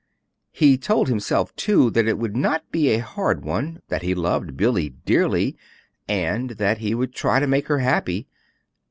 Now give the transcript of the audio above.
He told himself, too, that it would not be a hard one; that he loved Billy dearly, and that he would try to make her happy.